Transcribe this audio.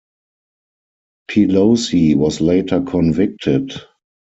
Pelosi was later convicted.